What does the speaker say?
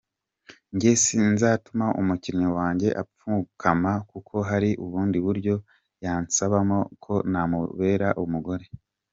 Njye sinzatuma umukunzi wanjye apfukama kuko hari ubundi buryo yansabamo ko namubera umugore.